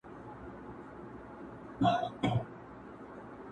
دوی پښتون غزل منلی په جهان دی،